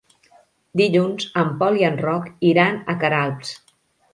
Dilluns en Pol i en Roc iran a Queralbs.